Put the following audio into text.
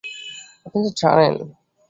আপনি তো জানেন।